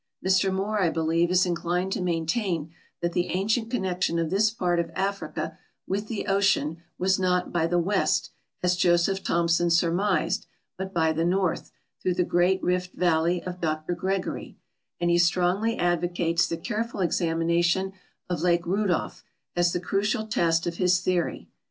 Mr Moore, I believe, is inclined to maintain that the ancient con nection of this part of Africa with the ocean was not by the west, as Joseph Thomson surmised, but by the north, through the Great Rift valley of Dr Gregory, and he strongly advocates the careful examination of Lake Rudolf as the crucial test of his THE UN MA PPED A RE A S OX THE EA 11 Til \s SURFA CE 257 theory.